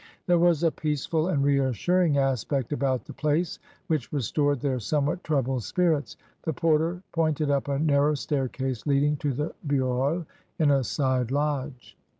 There was a peaceful and reassuring aspect about the place, which restored their somewhat troubled spirits. The porter pointed up a narrow staircase leading to the "bureau," in a side lodge.